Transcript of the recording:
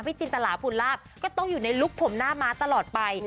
พี่จินตลาดพุนลาบก็อยู่ในลุคผมหน้าว้างตลอดไป